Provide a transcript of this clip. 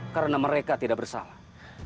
karena mereka tidak bersalah